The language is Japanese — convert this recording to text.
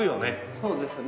そうですね。